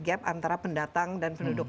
gap antara pendatang dan penduduk